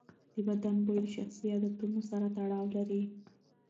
د بدن بوی د شخصي عادتونو سره تړاو لري.